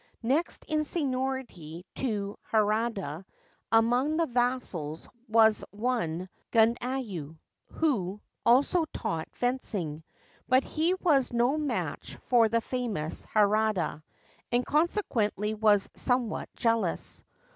Next in seniority to Harada among the vassals was one Gundayu, who also taught fencing ; but he was no match for the famous Harada, and consequently was somewhat jealous.